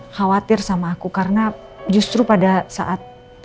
khawatir sama aku karena justru pada saat